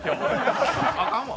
あかんわ。